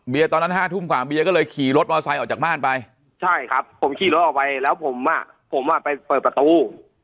ตอนนั้น๕ทุ่มกว่าเบียก็เลยขี่รถมอไซค์ออกจากบ้านไปใช่ครับผมขี่รถออกไปแล้วผมอ่ะผมอ่ะไปเปิดประตู